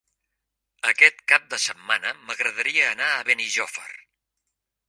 Aquest cap de setmana m'agradaria anar a Benijòfar.